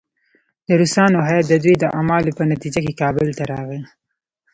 د روسانو هیات د دوی د اعمالو په نتیجه کې کابل ته راغی.